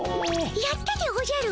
やったでおじゃる。